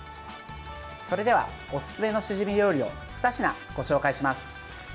それではおすすめのシジミ料理を２品ご紹介します。